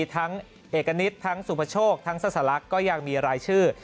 ทั้งเอกณิตทั้งสูงประโชคทั้งซะสะลักก็ยังมีรายชื่อ